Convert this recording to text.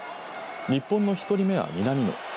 日本の１人目は南野。